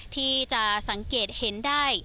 ที่จะสังเกตเห็นได้